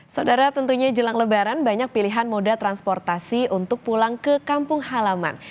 saudara tentunya jelang lebaran banyak pilihan moda transportasi untuk pulang ke kampung halaman